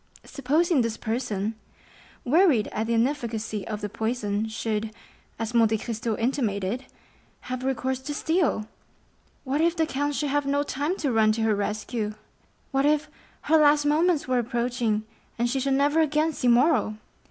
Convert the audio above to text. Supposing this person, wearied at the inefficacy of the poison, should, as Monte Cristo intimated, have recourse to steel!—What if the count should have no time to run to her rescue!—What if her last moments were approaching, and she should never again see Morrel!